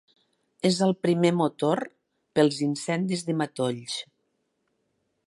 És el primer motor pels incendis de matolls.